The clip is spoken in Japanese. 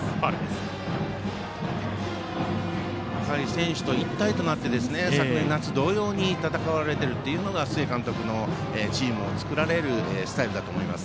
選手と一体となって昨年夏同様に戦われているというのが須江監督のチームを作られるスタイルだと思います。